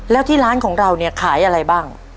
แล้วที่ร้านของเราเนี่ยขายอะไรบ้าง